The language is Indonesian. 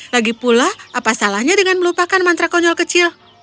lagipula apa salahnya dengan melupakan mantra konyol kecil